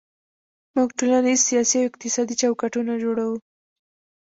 موږ ټولنیز، سیاسي او اقتصادي چوکاټونه جوړوو.